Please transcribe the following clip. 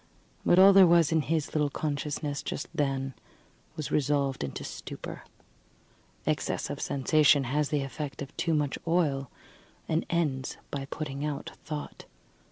But all that there was in his little consciousness just then was resolved into stupor. Excess of sensation has the effect of too much oil, and ends by putting out thought.